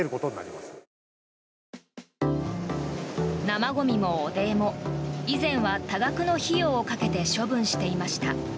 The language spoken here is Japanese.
生ゴミも汚泥も以前は多額の費用をかけて処分していました。